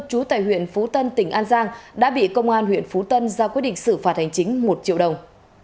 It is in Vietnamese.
trú tại huyện phú tân tỉnh an giang đã bị công an huyện phú tân ra quyết định xử phạt hành chính một triệu đồng